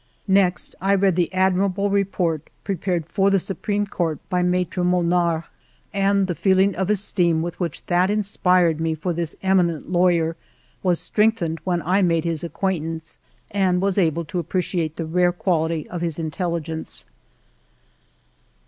Next I read the admirable report prepared for the Supreme Court by Maitre Mornard ; and the feeling of esteem with which that inspired me for this eminent lawyer was strengthened when I made his acquaintance and was able to appreciate the rare quality of his intelligence.